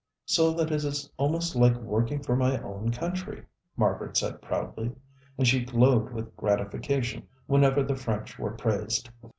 "So that it is almost like working for my own country," Margaret said proudly. And she glowed with gratification whenever the French were praised.